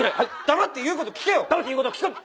黙って言うことを聞く。